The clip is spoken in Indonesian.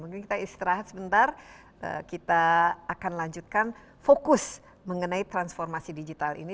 mungkin kita istirahat sebentar kita akan lanjutkan fokus mengenai transformasi digital ini